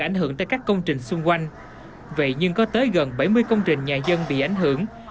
ảnh hưởng tới các công trình xung quanh vậy nhưng có tới gần bảy mươi công trình nhà dân bị ảnh hưởng